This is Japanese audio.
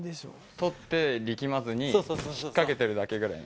取って力まずに、引っ掛けてるだけみたいな。